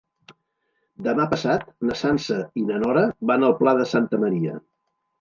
Demà passat na Sança i na Nora van al Pla de Santa Maria.